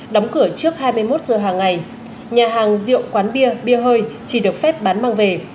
đóng cửa trước hai mươi một giờ hàng ngày nhà hàng rượu quán bia bia hơi chỉ được phép bán mang về